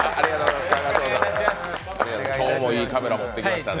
今日もいいカメラ、持ってきましたね。